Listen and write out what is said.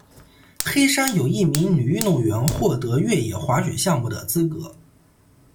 黑山有一名女运动员获得越野滑雪项目的资格。